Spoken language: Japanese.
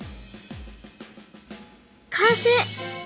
完成！